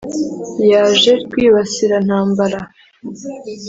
yaje rwibasirantambara